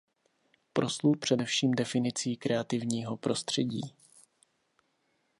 Proslul především definicí kreativního prostředí.